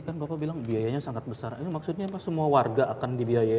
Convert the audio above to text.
kan bapak bilang biayanya sangat besar ini maksudnya semua warga akan dibiayai